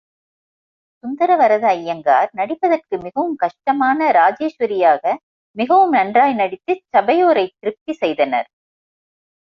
சுந்தரவரத ஐயங்கார், நடிப்பதற்கு மிகவும் கஷ்டமான ராஜேஸ்வரி யாக மிகவும் நன்றாய் நடித்துச் சபையோரைத் திர்ப்தி செய்தனர்.